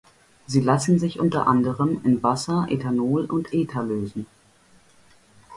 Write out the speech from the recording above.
Sie lassen sich unter anderem in Wasser, Ethanol und Ether lösen.